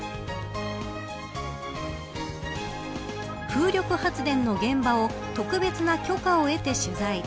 風力発電の現場を特別な許可を得て取材。